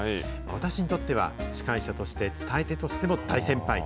私にとっては司会者として、伝え手としても大先輩。